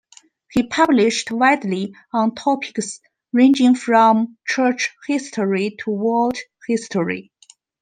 He published widely on topics ranging from church history to world history.